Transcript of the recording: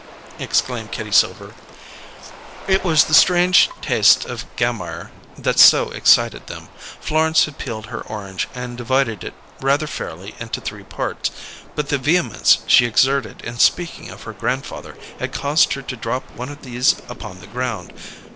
exclaimed Kitty Silver. It was the strange taste of Gammire that so excited them. Florence had peeled her orange and divided it rather fairly into three parts, but the vehemence she exerted in speaking of her grandfather had caused her to drop one of these upon the ground.